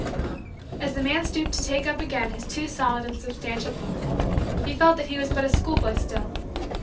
As the man stooped to take up again his too solid and substantial book, he felt that he was but a schoolboy still.